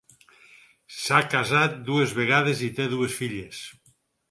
S'ha casat dues vegades i té dues filles.